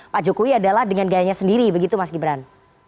pak jokowi adalah dengan gayanya sendiri begitu mas gibran